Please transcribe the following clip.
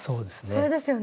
それですよね？